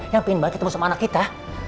yang pingin balik ketemu sama anak kita